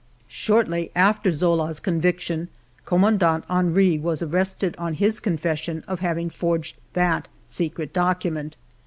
Shortly after Zola's conviction. Commandant Henry was arrested on his confession of having forged that secret document.